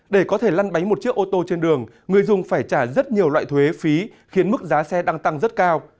để có thể lăn bánh một chiếc ô tô trên đường người dùng phải trả rất nhiều loại thuế phí khiến mức giá xe đang tăng rất cao